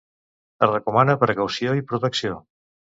Es recomana precaució i protecció.